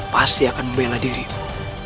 pasti akan membela dirimu